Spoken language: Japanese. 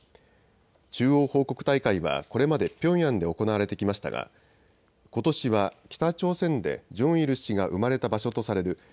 中央報告大会はこれまでピョンヤンで行われてきましたがことしは北朝鮮でジョンイル氏が生まれた場所とされる